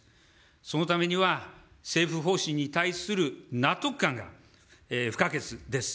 そのためには政府方針に対する納得感が不可欠です。